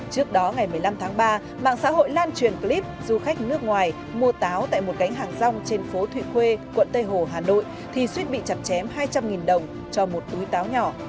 trước đó ngày một mươi năm tháng ba mạng xã hội lan truyền clip du khách nước ngoài mua táo tại một cánh hàng rong trên phố thụy khuê quận tây hồ hà nội thì suýt bị chặt chém hai trăm linh đồng cho một túi táo nhỏ